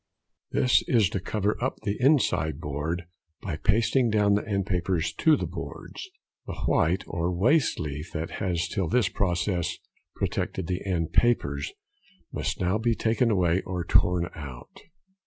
This is to cover up the inside board by pasting down the end papers to the boards. The white or waste leaf, that has till this process protected the end papers, must now be taken away or torn out.